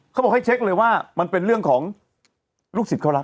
เขาบอกให้เช็คเลยว่ามันเป็นเรื่องของลูกศิษย์เขารัก